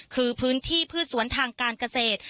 คือพื้นที่พืชสวนทางการเกษตร